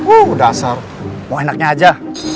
udah asar mau enaknya aja